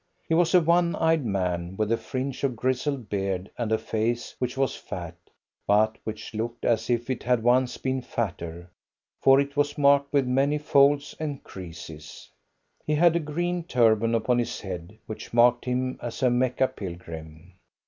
He was a one eyed man, with a fringe of grizzled beard and a face which was fat, but which looked as if it had once been fatter, for it was marked with many folds and creases. He had a green turban upon his head, which marked him as a Mecca pilgrim.